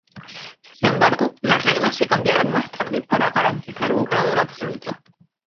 Sin embargo, las reglas se cambiaron más tarde para garantizar un ganador absoluto.